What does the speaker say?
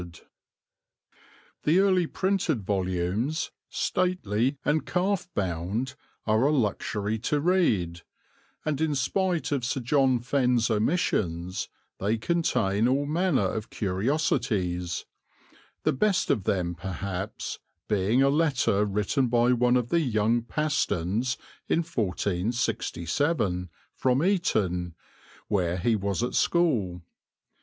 [Illustration: YARMOUTH FROM BREYDON] The early printed volumes, stately and calf bound, are a luxury to read, and in spite of Sir John Fenn's omissions they contain all manner of curiosities, the best of them perhaps being a letter written by one of the young Pastons in 1467, from Eton, where he was at school.